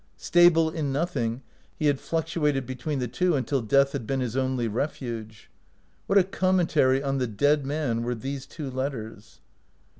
Stable in nothing, he had fluctuated between the two until death had been his only refuge. What a commentary on the dead man were these two letters!